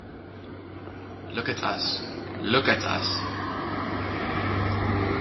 Look at us — look at us!